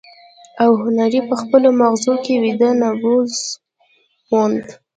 او هنري په خپلو ماغزو کې ويده نبوغ وموند.